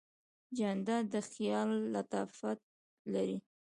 جانداد د خیال لطافت لري.